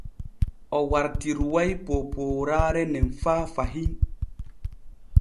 O wartiruway poopooraare nen faa fahin.